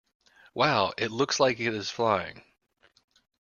Wow! It looks like it is flying!